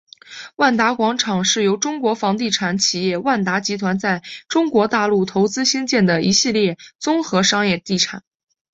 万达广场是由中国房地产企业万达集团在中国大陆投资兴建的一系列综合商业地产。